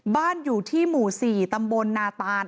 บ้านอยู่ที่หมู่๔ตำบลนาตาน